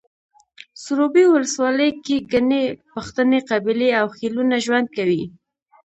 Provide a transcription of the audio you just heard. سروبي ولسوالۍ کې ګڼې پښتنې قبیلې او خيلونه ژوند کوي